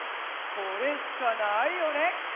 これしかないよね。